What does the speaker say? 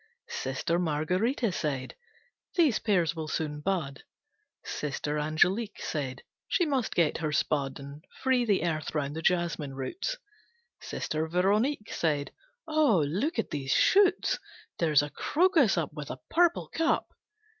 Sister Marguerite said: "The pears will soon bud." Sister Angelique said she must get her spud And free the earth round the jasmine roots. Sister Veronique said: "Oh, look at those shoots! There's a crocus up, With a purple cup."